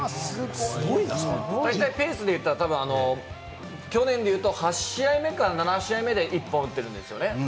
だいたいペースでいったら、去年でいうと、８試合目か７試合目で１本打ってるんですよね。